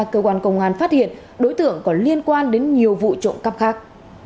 cơ quan công an phát hiện đối tượng có liên quan đến nhiều vụ trộm cắp khác